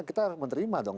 kita menerima dong